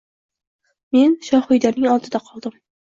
Men Shohidaning oldida qoldim